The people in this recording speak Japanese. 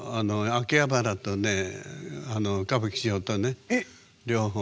秋葉原とね歌舞伎町とね両方。